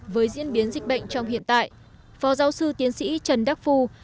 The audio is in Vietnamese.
với diễn biến dịch bệnh trong hiện tại phó giáo sư tiến sĩ trần đắc phu